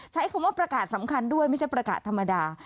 ใช้คำว่าประกาศสำคัญด้วยไม่ใช่ประกาศธรรมดา